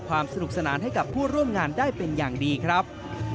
ความสนุกสนานให้กับผู้ร่วมงานได้เป็นอย่างดีครับ